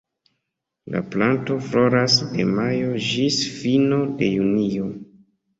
La planto floras de majo ĝis fino de junio.